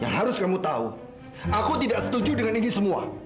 harus kamu tahu aku tidak setuju dengan ini semua